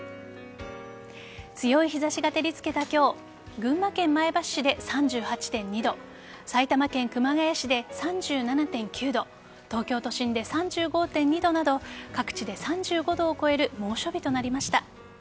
強い日差しが照りつけた今日群馬県前橋市で３８．２度埼玉県熊谷市で３７．９度東京都心で３５．２度など各地で３５度を超える猛暑日となりました。